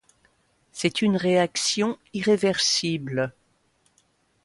C'est une réaction irréversible.